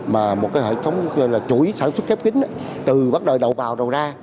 một hệ thống chú ý sản xuất khép kính từ bắt đầu đầu vào đầu ra